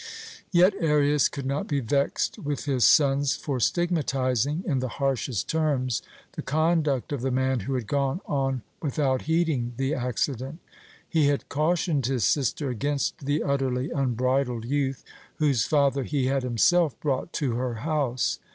Yet Arius could not be vexed with his sons for stigmatizing, in the harshest terms, the conduct of the man who had gone on without heeding the accident. He had cautioned his sister against the utterly unbridled youth whose father he had himself brought to her house.